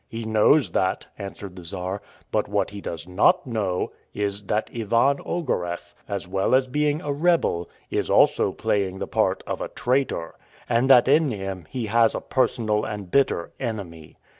"He knows that," answered the Czar; "but what he does not know is, that Ivan Ogareff, as well as being a rebel, is also playing the part of a traitor, and that in him he has a personal and bitter enemy.